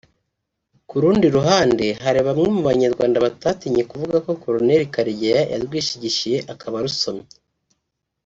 Ku rundi ruhande hari bamwe mu banyarwanda batatinye kuvuga ko Col Karegeya yarwishigishiye akaba arusomye